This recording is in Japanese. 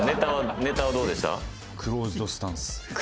ネタはどうでした？